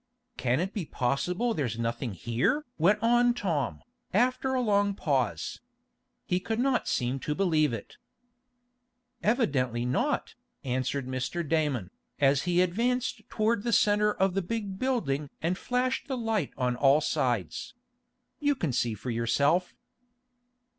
"Can it be possible there's nothing here?" went on Tom, after a long pause. He could not seem to believe it. "Evidently not," answered Mr. Damon, as he advanced toward the center of the big building and flashed the light on all sides. "You can see for yourself."